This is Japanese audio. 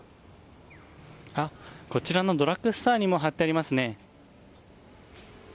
こちらのドラッグストアにも貼ってありますね。